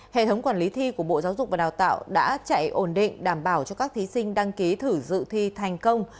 hệ thống quản lý thi của bộ giáo dục và đào tạo đã chạy ổn định đảm bảo cho các thí sinh đăng ký thử dự thi thành công